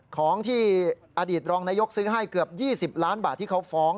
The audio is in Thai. ของที่อดีตรองนายกซื้อให้เกือบ๒๐ล้านบาทที่เขาฟ้อง